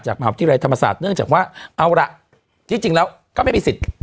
มหาวิทยาลัยธรรมศาสตร์เนื่องจากว่าเอาล่ะที่จริงแล้วก็ไม่มีสิทธิ์